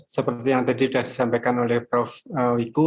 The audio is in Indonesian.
seperti yang tadi sudah disampaikan oleh prof wiku